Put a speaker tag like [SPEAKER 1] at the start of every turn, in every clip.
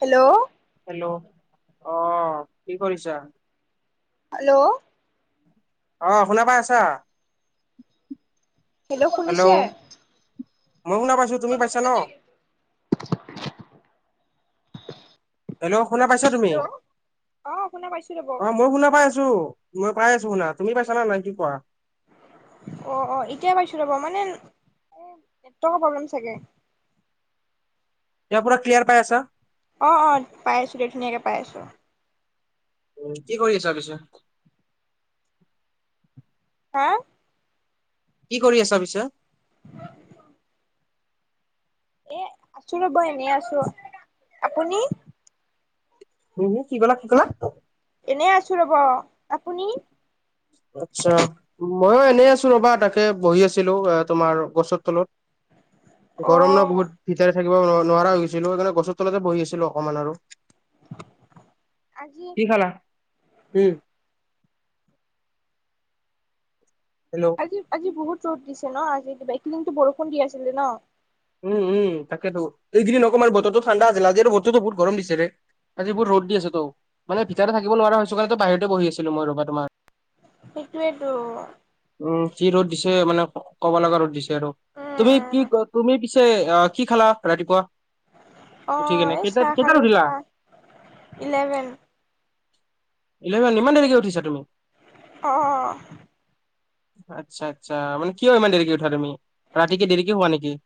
[SPEAKER 1] Hello.
[SPEAKER 2] Hello অ কি কৰিছা।
[SPEAKER 1] হেল্লৌ!
[SPEAKER 2] অ শুনা পাই আছা
[SPEAKER 1] হেল্ল'
[SPEAKER 2] হেল্লৌ।
[SPEAKER 1] শুনিছে হেল্ল'
[SPEAKER 2] মই শুনা পাইছো তুমি পাইছা ন।
[SPEAKER 1] [unintelligible]
[SPEAKER 2] হেল্ল! শুনা পাইছা তুমি
[SPEAKER 1] অ শুনা পাইছো ৰ'ব
[SPEAKER 2] অ মই শুনা পাই আছো। টো মই পাই আছো শুনা তুমি পাইছা নে নাই কি কোৱা।
[SPEAKER 1] অ অ এতিয়াই পাইছো ৰব মানে এ নেটৱৰ্কৰ প্ৰব্লেম চাগে।
[SPEAKER 2] ইয়াৰ পুৰা ক্লিয়াৰ পাই আছা।
[SPEAKER 1] অ অ পাই আছো দে ধুনীয়াকে পাই আছো।
[SPEAKER 2] উম কি কৰি আছা পিছে?
[SPEAKER 1] হা!
[SPEAKER 2] কি কৰি আছা পিছে
[SPEAKER 1] এ আছো ৰব এনেই আছো আপুনি?
[SPEAKER 2] উম হো কি কলা কি কলা
[SPEAKER 1] এনেই আছো ৰব আপুনি?
[SPEAKER 2] আচ্ছা ময়ো এনেই আছো ৰবা তাকে বহি আছিলো এ তোমাৰ গছৰ তলত।
[SPEAKER 1] অ
[SPEAKER 2] গৰম ন বহুত ভিতৰে থাকিব নো নোৱাৰা হৈছিলো সেইকাৰণে গছৰ তলতে বহি আছিলো অকমান আৰু।
[SPEAKER 1] আজি
[SPEAKER 2] কি খালা উম! হেল্ল!
[SPEAKER 1] কি আজি বহুত ৰ'দ দিছে ন আজি কিবা একেইদিনতো বৰষুণ দি আছিলে ন।
[SPEAKER 2] উম উম তাকেতো এইকেইদিন অকমান বতৰতো ঠাণ্ডা আছিল আজি আৰু বতৰতো বহুত গৰম দিছে ৰে আজি বৰ ৰ'দ দি আছে ত মান ভিতৰতে থাকিব নোৱাৰা হৈছোঁ কাৰণেটো বাহিৰতে বহি আছিলো মই ৰ'বা তোমাৰ
[SPEAKER 1] সেইটোৱেই টৌ
[SPEAKER 2] উম কি ৰ'দ দিছে মানে কব লগা ৰ'দ দিছে আৰু
[SPEAKER 1] উম
[SPEAKER 2] তুমি কি
[SPEAKER 1] উম
[SPEAKER 2] তুমি পিছে অ কি খালা ৰাতিপুৱা
[SPEAKER 1] অ
[SPEAKER 2] উঠি কেনে
[SPEAKER 1] এই
[SPEAKER 2] কেইটাত
[SPEAKER 1] চাহ
[SPEAKER 2] কেইটাত
[SPEAKER 1] খালোঁ
[SPEAKER 2] উঠিলা
[SPEAKER 1] চাহ ইলেভেন।
[SPEAKER 2] ইলেভেন ইমান দেৰিকে উঠিছা তুমি।
[SPEAKER 1] অঁ অঁ।
[SPEAKER 2] আচ্ছা আচ্ছা মানে কিয় ইমান দেৰিকে উঠা তুমি ৰাতিকে দেৰিকে হোৱা নেকি?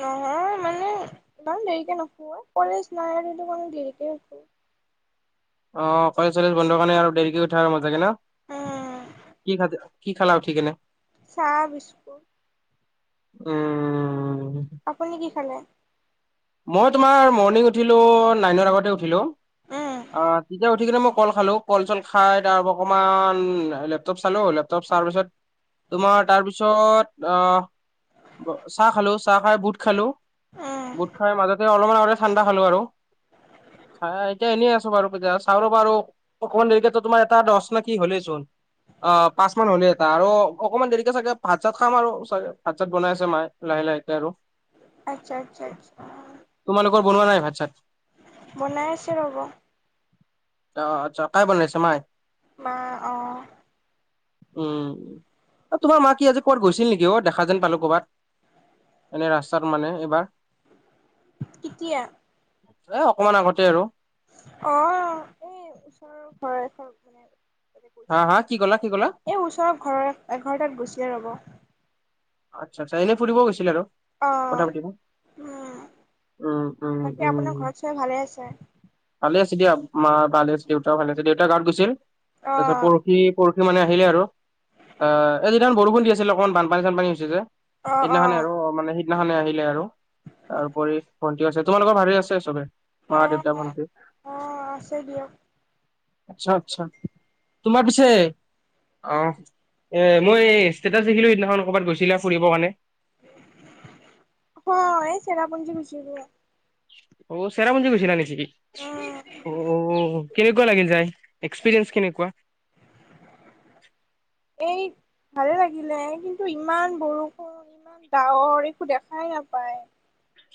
[SPEAKER 1] নহয় মানে ইমান দেৰিকে নোশু ঐ কলেজ নাই আৰু এইটো কাৰণে দেৰিকে উঠো।
[SPEAKER 2] অ কলেজ চলেজ বন্ধৰ কাৰণে আৰু দেৰিকে উঠা মজাকে ন কি খাতি কি খালা উঠি কিনে?
[SPEAKER 1] চাহ বিস্কুট
[SPEAKER 2] উম
[SPEAKER 1] আপুনি কি খালে
[SPEAKER 2] মই তোমাৰ মৰ্ণিং উঠিলোঁ নাইনৰ আগতে উঠিলোঁ
[SPEAKER 1] উম
[SPEAKER 2] অ তেতিয়া উঠি কিনে মই কল খালো কল চল খাই তাৰ অকমান লেপটপ চালো লেপ টপ চোৱাৰ পিছত তোমাৰ তাৰপিছত আহ ব চাহ খালো চাহ খাই বুট খালো
[SPEAKER 1] অ
[SPEAKER 2] বুট খাই মাজতে অলপমান আগতে ঠাণ্ডা খালো আৰু চাই এতিয়া এনে আছো বাৰু পিগে চাওঁ ৰবা আৰু অকনমান দেৰিকে ত তোমাৰ এটা দছ নে কি হলেই চোন অ পাঁচ মান হ'লে এটা আৰু অকনমান দেৰিকে চাগে ভাত চাত খাম আৰু চাগে ভাত চাত বনাই আছে মায়ে লাহে লাহে কে আৰু
[SPEAKER 1] আচ্ছা আচ্ছা আচ্ছা
[SPEAKER 2] তোমালোকৰ বনোৱা নাই ভাত চাত
[SPEAKER 1] বনাই আছে ৰ'ব
[SPEAKER 2] অ আচ্ছা কাই বনাইছে মায়ে
[SPEAKER 1] মা অহ
[SPEAKER 2] উম তোমাৰ মা কি আজি কৰবাত গৈছিল নিকি অ' দেখা যেন পালোঁ ক'বাত এনে ৰাস্তাত মানে এইবাৰ।
[SPEAKER 1] কিতিয়া।
[SPEAKER 2] এ অকমান আগতে আৰু।
[SPEAKER 1] অ', এই ওচৰৰ ঘৰ এখন [unintelligible]
[SPEAKER 2] হা-হা, কি ক'লা- কি ক'লা।
[SPEAKER 1] এই ওচৰৰ ঘৰৰ এঘৰটাত গৈছিলে ৰ'ব।
[SPEAKER 2] আচ্ছা- আচ্ছা এনে ফুৰিব গৈছিল আৰু।
[SPEAKER 1] অ'
[SPEAKER 2] [unintelligible]
[SPEAKER 1] উম।
[SPEAKER 2] উম, উম,
[SPEAKER 1] বাকী
[SPEAKER 2] উম।
[SPEAKER 1] আপোনাৰ ঘৰত চবে ভালে আছে?
[SPEAKER 2] ভালে আছে দিয়া, মা ভালে আছে দেউতাও ভালে আছে, দেউতা গাওঁত গৈছিল তাৰ পিছত
[SPEAKER 1] অ'
[SPEAKER 2] পৰসি পৰ মানে আহিলে আৰু অ এ তেতিয়া বৰষুণ দি আছিলে অকনমান বানপানী চানপানী হৈছে যে।
[SPEAKER 1] অ'
[SPEAKER 2] সেইদিনাখনে
[SPEAKER 1] অ'
[SPEAKER 2] আৰু মানে সেই সিদিনাখনে আহিলে আৰু তাৰপৰি ভণ্টিও আছে, তোমালোকৰ ভালে আছে চবে। মা, দেউতা,
[SPEAKER 1] অ'
[SPEAKER 2] ভণ্টি।
[SPEAKER 1] অ', আছে দিয়ক।
[SPEAKER 2] আচ্ছা- আচ্ছা, তোমাৰ পিছে অ', এ মই এই ষ্টেটাছ দেখিলো সিদিনাখন ক'ৰবাত গৈছিলা ফুৰিব কাৰণে।
[SPEAKER 1] অ', এই চেৰাপুঞ্জী গৈছিলো।
[SPEAKER 2] অ', চেৰাপুঞ্জী গৈছিলা নেকি।
[SPEAKER 1] উম,
[SPEAKER 2] অ', কেনেকুৱা লাগিল যায়, এক্সপিৰিয়েঞ্চ কেনেকুৱা।
[SPEAKER 1] [inaudible] এই ভালে লাগিলে, কিন্তু ইমান বৰষুণ। ইমান ডাৱৰ একো দেখাই নাপায়।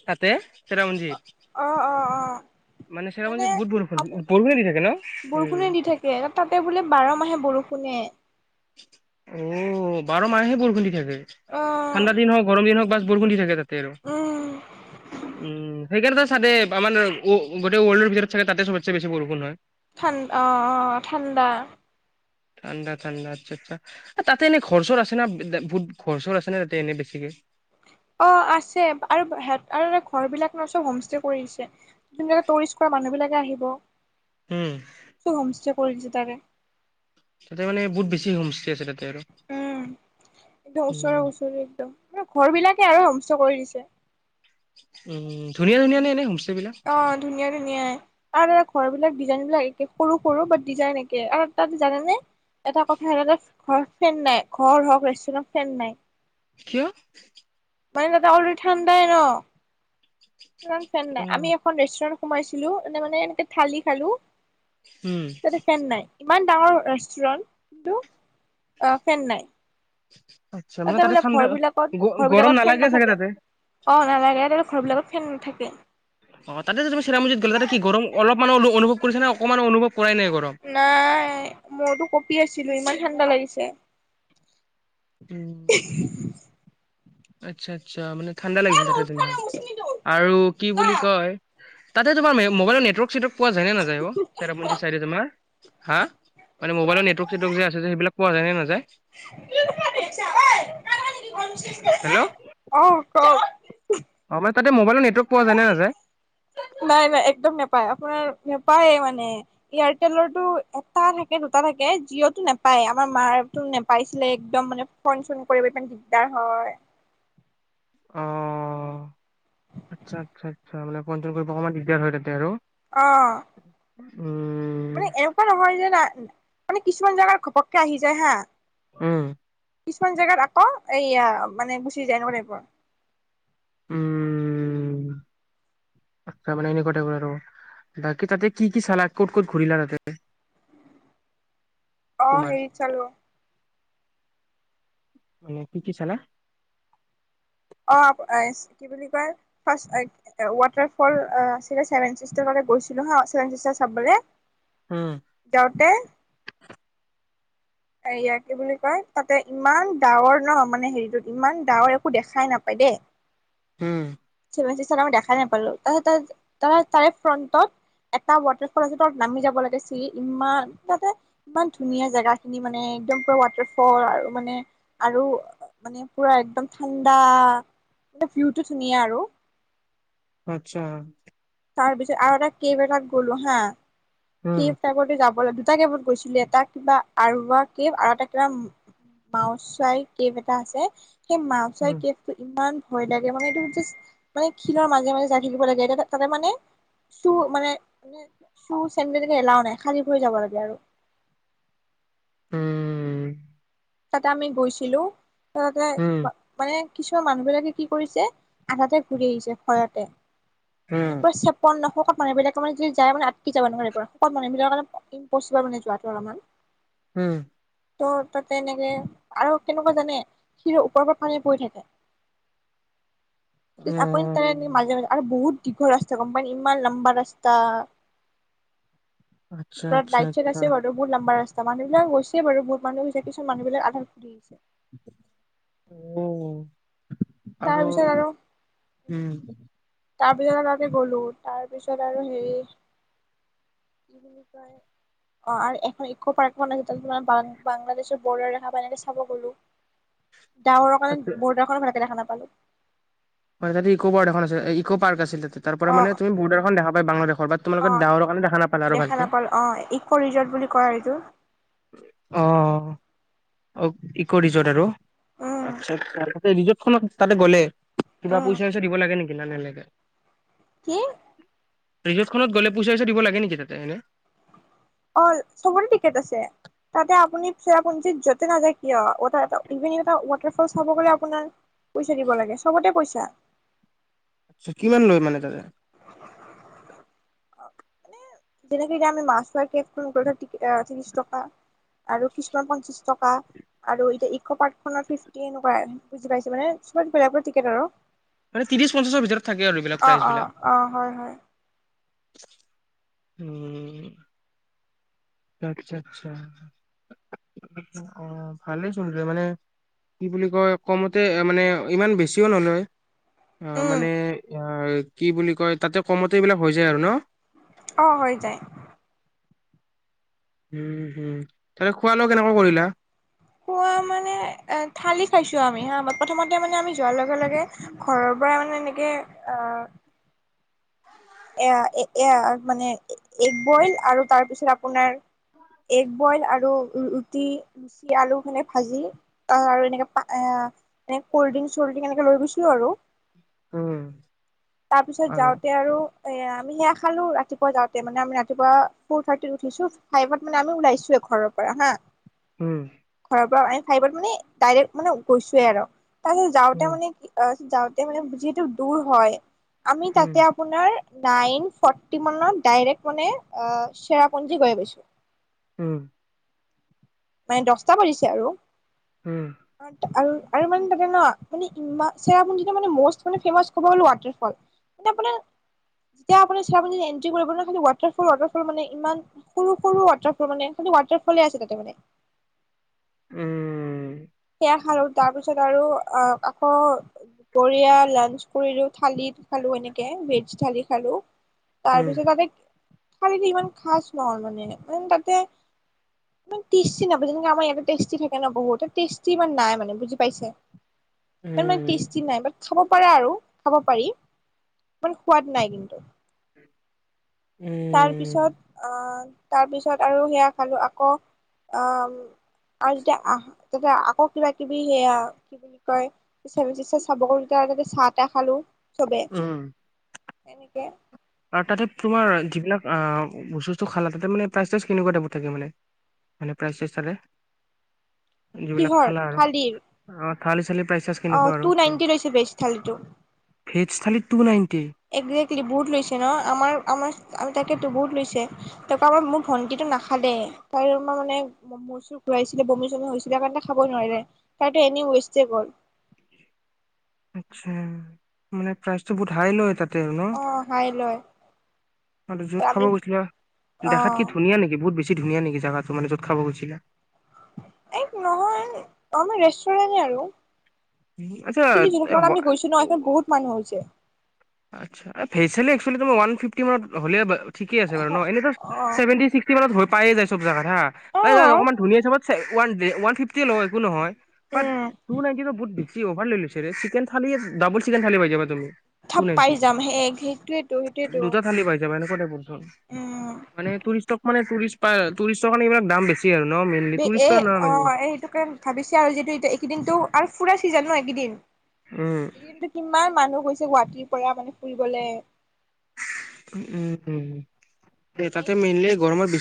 [SPEAKER 2] তাতে চেৰাপুঞ্জীত।
[SPEAKER 1] অ', অ', অ'।
[SPEAKER 2] মানে চেৰাপুঞ্জীত বহুত বৰষুণ, বৰষুনেই দি থাকে ন, [unintelligible]
[SPEAKER 1] দিয়ে, তাতে বোলে বাৰ মাহে বৰষুণে।
[SPEAKER 2] অ', বাৰ মাহেই বৰষুণ দি থাকে।
[SPEAKER 1] অ',
[SPEAKER 2] ঠাণ্ডা দিন হওঁক গৰম দিন হওঁক বছ বৰষুণ দি থাকে তাতে আৰু,
[SPEAKER 1] উম,
[SPEAKER 2] উম। সেইকাৰণেটো [unintelligible] আমাৰ গোটেই ৱৰ্ল্ডৰ ভিতৰত চাগে তাতে চবতচে বেচি বৰষুণ হয়।
[SPEAKER 1] ঠান অ', অ', ঠাণ্ডা।
[SPEAKER 2] ঠাণ্ডা- ঠাণ্ডা। আচ্ছা- আচ্ছা, এ তাতে এনে ঘৰ চৰ আছে না বুত ঘৰ চৰ আছে না তাতে এনেই বেছিকে।
[SPEAKER 1] অ' আছে আৰু ঘৰ বিলাক নহ চব হোমষ্টে কৰি দিছে। ধুনীয়াকে টুৰিষ্ট কৰা মানুহবিলাকে আহিব।
[SPEAKER 2] উম।
[SPEAKER 1] চব হোমষ্টে কৰি দিছে তাৰে।
[SPEAKER 2] তাতে মান বহুত বেছি হোমষ্টে আছে তাতে।
[SPEAKER 1] উম, একদম
[SPEAKER 2] উম
[SPEAKER 1] ওচৰে- ওচৰে একদম, মানে ঘৰ বিলাকে আৰু হোমষ্টে কৰি দিছে।
[SPEAKER 2] উম, ধুনীয়া- ধুনীয়া নে এনে হোমষ্টেবিলাক।
[SPEAKER 1] অ', ধুনীয়া ধুনীয়াই। আৰু ঘৰ বিলাক ডিজাইনবিলাক একে সৰু- সৰু বাট ডিজাইন একে, আৰু তাত জানে নে এটা কথা জানেনে ঘৰত ফেন নাই, ঘৰ হওঁক ৰেষ্টুৰেণ্ট হওঁক ফেন নাই।
[SPEAKER 2] কিয়।
[SPEAKER 1] মানে তাতে অলৰেডি ঠাণ্ডাই ন। ইমান ফেন
[SPEAKER 2] অ
[SPEAKER 1] নাই, আমি এখন ৰেষ্টুৰেন্ট সোমাইছিলো এনে মানে এনেকে থালি খালো।
[SPEAKER 2] উম।
[SPEAKER 1] তাতে ফেন নাই, ইমান ডাঙৰ ৰেষ্টুৰেন্ট, কিন্তু অ', ফেন নাই।
[SPEAKER 2] আতচ
[SPEAKER 1] তাতে বোলে ঘৰবিলাকত- ঘৰবিলাকত ফেন
[SPEAKER 2] চাগে
[SPEAKER 1] নাথাকে।
[SPEAKER 2] তাতে
[SPEAKER 1] অ', নালাগে [unintelligible] ঘৰবিলাকত ফেন নাথাকে।
[SPEAKER 2] অ', তাতে যেনিবা চিৰাপুঞ্জিত গ'লে তাতে কি গৰম অলপমানো অনুভৱ কৰিছে নে, অকমানো অনুভৱ কৰাই নাই গৰম।
[SPEAKER 1] নাই মইতো কঁপি আছিলো, ইমান ঠাণ্ডা লাগিছে।
[SPEAKER 2] উম, আচ্ছা-আচ্ছা মানে ঠাণ্ডা লাগিছিল
[SPEAKER 1] অ',
[SPEAKER 2] তাতে তোমাৰ আৰু কি বুলি কয় তাতে তোমাৰ মোবাইলৰ নেটৱৰ্ক-চেটৱৰ্ক, পোৱা যায় নে নাযায়? অ, চিৰাপুঞ্জি চাইদে তোমাৰ হা মান মবাইলৰ নেটৱৰ্ক-চেটৱৰ্ক যে আছে সেইবিলাক, পোৱা যায় নে নাযায়? হেল্ল'
[SPEAKER 1] অ, কওক?
[SPEAKER 2] অ, মান ততে মোবাইৰ নেটৱৰ্ক পোৱা যায় নে নযায়।
[SPEAKER 1] নাই-নাই একদম নেপায় আপোনাৰ নাপায়ে মানে। এয়াৰটেলৰটো এটা থাকে দুটা থাকে, জিঅ'টো নোপায় আমাৰ মাৰো নোপাইছিলে একদম মানে ফোন-চোন কৰিব ইমান দিগদাৰ হয়।
[SPEAKER 2] অ', আচ্ছা-আচ্ছা-আচ্ছা, মানে ফোন চোন কৰিব অকণমান দিগদাৰ হয় তাতে আৰু।
[SPEAKER 1] অ,
[SPEAKER 2] উম,
[SPEAKER 1] মানে এনেকুৱা নহয় যানা মানে কিছুমান জোগাৰ ঘপককে আহি যায় হা,
[SPEAKER 2] উম,
[SPEAKER 1] কিছুমান জেগাত আকৌ এয়া মানে গুচি যায় এনেকুৱা টাইপৰ।
[SPEAKER 2] উম, আচ্ছা, মানে এনেকুৱা টাইপৰ আৰু। বাকী তাতে কি-কি চালা, ক'ত-ক'ত ঘূৰিলা তাতে?
[SPEAKER 1] অ,
[SPEAKER 2] তোমাৰ?
[SPEAKER 1] হেৰিত চালো,
[SPEAKER 2] মানে কি-কি চালা?
[SPEAKER 1] অ, কি বুলি কয় ফাৰ্ষ এ ৱাটাৰ ফল চেভেন চিষ্টাৰ চাবলে গৈছিলো হা ছেভেন চিষ্টাৰ চাবলে।
[SPEAKER 2] উম,
[SPEAKER 1] যাওঁতে এয়া কি বুলি কয় তাতে ইমান ডাৱৰ ন মানে হেৰিটোত ইমান ডাৱৰ একো দেখাই নাপায় দেই। [unintelligible]
[SPEAKER 2] উম,
[SPEAKER 1] চেভেন চিচতাৰ দেখাই নাপালো তাৰ তাৰে ফ্ৰটত। এটা ৱাটাৰফল আছে তাত নামি যাব লাগিছিল, ইমান তাতে ইমান ধুনীয়া জেগা। খিনি মানে একদম পুৰা ৱাটাৰ ফল আৰু মানে আৰু মানে পুৰা একদম ঠাণ্ডা মানে ভিউটো ধুনীয়া আৰু।
[SPEAKER 2] আচ্ছা,
[SPEAKER 1] তাৰপিছত আৰু এটা কেব এটাট গ'লো হা,
[SPEAKER 2] উম,
[SPEAKER 1] কেবটা কৰি যাব লাগ দুটা কেবত গৈছিলে এটা কিবা আৰোৱা কেব আৰু এটা কিবা মাওচই কেব এটা আছে। সেই
[SPEAKER 2] উম,
[SPEAKER 1] মাওজকেবটো ইমান ভয় লাগে মানে এইটো জাষ্ট মানে শিলৰ মাজে-মাজে যায় থাকিব লাগে এনে। তাতে মানে সু মানে সু চেণ্ডেল এলাও নাই সাজি ভৰি যাব লাগে আৰু।
[SPEAKER 2] উম,
[SPEAKER 1] তাতে আমি গৈছিলো। তাতে
[SPEAKER 2] উম,
[SPEAKER 1] মানে কিছুমান মানুহ বিলাকে কি কৰিছে আধাতে ঘূৰি আহিছে ভয়তে। মানে
[SPEAKER 2] উম,
[SPEAKER 1] প চেপন ন শকত মানুহবিলাক মানে যদি যায় মে আকি যাব নোৱাৰিব শকত মানুহবাকা, ইম্পচিবাৰ মানে যোৱাটো অলপমান।
[SPEAKER 2] উম,
[SPEAKER 1] ত পথ্ৰৰ্কজ্ঞ [unintelligible] তেনেকে আৰু কেনেকুৱা জানে শিৰৰ ওপৰৰ পৰা পানী পৰি থাকে। আপুনি তাৰ
[SPEAKER 2] অ',
[SPEAKER 1] মাজে-মাজে আৰু বহুত দীৰ্ঘ ৰাস্তা গম পান ইমান লম্বা ৰাস্তা।
[SPEAKER 2] আচ্ছা,
[SPEAKER 1] তত
[SPEAKER 2] আচ্ছা,
[SPEAKER 1] বাইত চাইড
[SPEAKER 2] আচ্ছা,
[SPEAKER 1] আছে বাৰু। বহুত লাম্বা ৰাস্তা মানুহবিলাক গৈছে বাৰু বহুত মানুহ গৈছে কিছু মানুহ বিলাক আধা ঘুৰি আহিছে।
[SPEAKER 2] অ,
[SPEAKER 1] তাৰ
[SPEAKER 2] আৰু
[SPEAKER 1] পিছত
[SPEAKER 2] উম,
[SPEAKER 1] তাৰপিছত আমি গ'লো তাৰপিছত আৰু হেই কি বুলি কয় অ, আৰু এখন ইকো পাৰ্ক এখন আছে তাতে তোমাৰং বাংলাদেশৰ বৰাৰ ৰেখা প এনেকে চাব গ'লো। ডাৱৰৰ
[SPEAKER 2] তাতে
[SPEAKER 1] কাৰণে বৰদাৰ খনো ভালকে দেখা নাপালো।
[SPEAKER 2] হয় তাতে ইক' বাৰ্ড এখন আছে ইকো পাৰ্ক আছিল তাতে। তাৰ পৰা
[SPEAKER 1] অ
[SPEAKER 2] মানে তুমি বৰ্ডাৰখন দেখ পায় বালাদেশৰ বাত
[SPEAKER 1] অ
[SPEAKER 2] তোমালোকে ডাৱৰৰ কাৰণে দেখা নাপালে আৰু ভালকে।
[SPEAKER 1] অ', ইক' ৰিজৰ্ট বুলি কয় এইটো।
[SPEAKER 2] অ', অ', ইক' ৰিজৰ্ট আৰু
[SPEAKER 1] উম
[SPEAKER 2] আচ্ছা আচ্ছা। ৰিজৰ্ট খনত তাতে গ'লে কিবা
[SPEAKER 1] উম
[SPEAKER 2] পইচা চইচা দিব লাগে নেকি নালাগে।
[SPEAKER 1] কি?
[SPEAKER 2] ৰিজৰ্ত খনত‌ গলে পইচা চইচা দিব লাগেনেকি তাতে এনে।
[SPEAKER 1] অ', চবৰে টিকেট আছে। তাতে আপুনি চেৰাপঞ্জীত য'তে নাযায় কিয় ইভেন এটা ৱাটাৰফল চাব গ'লে আপোনাৰ পইচা দিব লাগে চবতে পইচা।
[SPEAKER 2] আচছা কিমান লয় মানে তাতে?
[SPEAKER 1] মানে যেনেকে এতিয়া আমি মাফলাৰ কেখন লওটে ত্ৰিশ টকা আৰু কিছুমান পঞ্চাশ টকা। আৰু এতিয়া ইক পাৰ্ক খ ফিফটি এনেকুৱা বুজি পাইছে মানে চব বেলে - বেলেগ টিকেট আৰু।
[SPEAKER 2] মানে ত্ৰিশ পঞ্চাছৰ ভিতৰত থাকে আৰু এইবিলাক
[SPEAKER 1] অ
[SPEAKER 2] প্ৰাইচ
[SPEAKER 1] অ
[SPEAKER 2] বিলাক।
[SPEAKER 1] অ হয় - হয়।
[SPEAKER 2] উম। আচ্ছা - আচ্ছা। অ, ভালেই চোন দে মানে কি বুলি কয় কমতে মানে ইমান বেছিও নলয়। অ,
[SPEAKER 1] উম
[SPEAKER 2] মানে অ, কি বুলি কয় তাতে কমতে এইবিলাক হৈ যায় আৰু ন।
[SPEAKER 1] অ', হৈ যায়।
[SPEAKER 2] উম, হম, তাতে খোৱা লোৱা কেনেকুৱা কৰিলা।
[SPEAKER 1] খোৱা মানে থালি খাইছোঁ আমি প্ৰথমতে মানে আমি যোৱাৰ লগে লগে ঘৰৰ পৰা মানে এনেকে অ, এ এ এ মানে এগ বইল আৰু তাৰ পিছত আপোনাৰ এগ বইল আৰু ৰুটি ৰুটি আলু খনে ভাজি ত আৰু এনেকে পা অ, এনে কল্ড ড্ৰিংক চল্ড্ৰিং এনেকে লৈ গৈছিলো আৰু।
[SPEAKER 2] উম।
[SPEAKER 1] তাৰ পিছত যাওঁতে আৰু এ আমি সেয়া খালো ৰাতিপুৱা যাওঁতে মানে আমি ৰাতিপুৱা ফৰ থাৰ্টিত উঠিছো ফাইভত মানে আমি ওলাইছোঁ এখন ঘৰৰ পৰা হা।
[SPEAKER 2] উম।
[SPEAKER 1] ঘৰৰ পৰা ম ফাইভত মানে ডাইৰেক্ট মানে গৈছোৱে আৰু তাৰপিছত যাওঁতে
[SPEAKER 2] উম,
[SPEAKER 1] মানে কি অ, যাওঁতে মানে যিহেতু দূৰ হয় আমি
[SPEAKER 2] উম,
[SPEAKER 1] তাতে আপোনাৰ নাইন ফৰ্তি মানত ডাৰেক্ট মানে চেৰাপুঞ্জী গৈ পাইছোঁ।
[SPEAKER 2] উম।
[SPEAKER 1] মানে দছটা বাজিছে আৰু।
[SPEAKER 2] উম।
[SPEAKER 1] আৰু মানে তাতে ন মানে ইমান চেৰাপুঞ্জীত মষ্ট ফেমাছ ক'ব গ'লো ৱাটাৰফল। আপোনাৰ যেতিয়া আপোনি চেৰাপুঞ্জীত এন্ট্ৰি কৰিব ন ৱাটাৰফল ৱাটাৰফল মানে ইমান সৰু সৰু ৱাটাৰফল মানে সেই ৱাটাৰফলে আছে তাতে মানে।
[SPEAKER 2] উম।
[SPEAKER 1] সেয়া খালো তাৰ পিছত আৰু অ, আকৌ বঢ়িয়া লাঞ্চ কৰিলো থালি খালো এনেকে ভেজ থালি খালো। তাৰ
[SPEAKER 2] উম,
[SPEAKER 1] পিছত তাতে থালীটো ইমান খাজ নহল মানে ম তাতে টেষ্টি নাপাব যেনেকে আমাৰ ইয়াতে টেষ্টি থাকে বহুত টেষ্টি। ইমান নাই মানে বুজি পাইছে ইমান মানে
[SPEAKER 2] উম,
[SPEAKER 1] টেষ্টি নাই। খাব পাৰা আৰু খাব পাৰি ইমান সোৱাদ নাই কিন্তু
[SPEAKER 2] উ
[SPEAKER 1] তাৰ পিছত আহ তাৰ পিছত আৰু সেয়া খালো আকৌ অম- আৰু যেতিয়া আহ তেতিয়া আকৌ কিবা কিবি সেয়া কয় [unintelligible] চাব গলো তেতিয়া এনেকে চাহ টাহ খালো চবে
[SPEAKER 2] উম।
[SPEAKER 1] এনেকে
[SPEAKER 2] আৰু তাতে তোমাৰ যিবিলাক আহ বস্তু চস্তু খালা তাতে মানে প্ৰাইজ চাইজ কেনেকুৱা টাইপত থাকে মানে। মানে প্ৰাইজ চাইজ চালে। যিবিলাক
[SPEAKER 1] কিহৰ
[SPEAKER 2] খালা আৰু
[SPEAKER 1] থালিৰ
[SPEAKER 2] অ থালি চালি প্ৰাইচ ৰ্চাইছ
[SPEAKER 1] অ টু নাইনটি লৈছে বেজ থালীটো
[SPEAKER 2] ভেজ থালি টু নাইনটি
[SPEAKER 1] একজেক্টলি বহুত লৈছে ন আমাৰ আমাৰ আমি তাকেতো বহুত লৈছে। ত কাবাৰ মোৰ ভণ্টিটো নাখালে তাইৰ ৰোমমা মানে মূৰ চুৰ ঘূৰাইছিলে বমি চমি হৈছিলে কাৰণ খাব নোৱাৰিলে তাইতো এনে ৱেষ্টে গ'ল।
[SPEAKER 2] আচ্ছা মানে প্ৰাইচটো বহুত হাই লয় তাত।
[SPEAKER 1] অ হাই লয়।
[SPEAKER 2] আৰু য'ত
[SPEAKER 1] আমি
[SPEAKER 2] খাব গৈছিলা দেখাত
[SPEAKER 1] অ'
[SPEAKER 2] কি ধুনীয়া নেকি বহুত বেছ- ছি ধুনীয়া নেকি জেগাটো মানে যত খাব গৈছিলা।
[SPEAKER 1] এই নহয় আমাৰ ৰেষ্টুৰেণ্টে আৰু।
[SPEAKER 2] আচ্ছা
[SPEAKER 1] কিন্তু
[SPEAKER 2] এ
[SPEAKER 1] যোনখনত
[SPEAKER 2] ৱা
[SPEAKER 1] আমি গৈছো ন এখন বহুত মানুহ হৈছে।
[SPEAKER 2] আচ্ছা ভেজ থালি একচুৱলি ওৱান ফিবটি মানত হলে ঠিক আছে বাৰু ন এনেই টো
[SPEAKER 1] অ'
[SPEAKER 2] ছেভেনটি ছি- টি মানত হৈ পায়ে যায় চব জোগাত হা, পায় যাই
[SPEAKER 1] অ'
[SPEAKER 2] অকমান ধুনীয়া তাইমত one day one fifty লয় একো নহয় বাট
[SPEAKER 1] উম
[SPEAKER 2] টু নাইনটিনত বহুত বেছ- অভাৰ লৈ লৈছে ৰে চিকন থালি ডাবল চিকেন থালি পাই যাবা তুমি। টু
[SPEAKER 1] থাপ পাই
[SPEAKER 2] নাইনটিত
[SPEAKER 1] যাম সে সেইটোৱেটো সেইটোৱেটো।
[SPEAKER 2] জাবাইনা টাইপৰ অপচন, মানে টুৰিষ্টক মানে টুৰিষ্ট পাই টুৰিষ্টৰ কাৰণে এইবিলাক দাম বেছ- ত আৰু ন মিল
[SPEAKER 1] বি এ অ সেইটো কাৰণে ভাবিছে আৰু যি এই এইকেইদিনটো আৰু ফুৰা চিজন ন এইকেদিন
[SPEAKER 2] উম।
[SPEAKER 1] কিন্তু কিমান মানুহ গৈছে গুৱাহাটীৰ পৰা মানে ফুৰিবলে।
[SPEAKER 2] উম উ
[SPEAKER 1] এই
[SPEAKER 2] তাতে মেইনলি গৰমৰ বিছ-